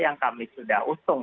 yang kami sudah usung